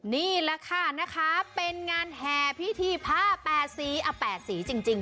นี่ล่ะค่ะนะคะเป็นงานแห่พิธีภาพแปดสีอ่ะแปดสีจริง